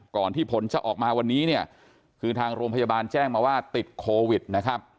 ที่ผลจะออกมาวันนี้เนี่ยคือทางโรงพยาบาลแจ้งมาว่าติดโควิดนะครับ